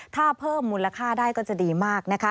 ถ้าเพิ่มมูลค่าได้ก็จะดีมากนะคะ